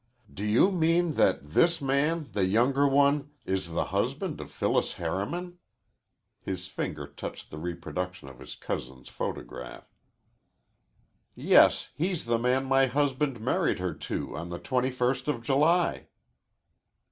"Do you mean that this man the younger one is the husband of Phyllis Harriman?" His finger touched the reproduction of his cousin's photograph. "Yes. He's the man my husband married her to on the twenty first of July."